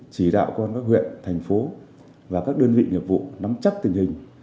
chỉ đạo quan các huyện thành phố và các đơn vị nhiệm vụ nắm chắc tình hình